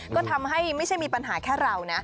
ก็ทำให้ไม่ใช่มีปัญหาแค่เรานะ